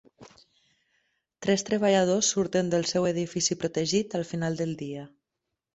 Tres treballadors surten del seu edifici protegit al final del dia.